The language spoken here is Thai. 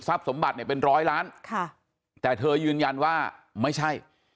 สมบัติเนี่ยเป็นร้อยล้านค่ะแต่เธอยืนยันว่าไม่ใช่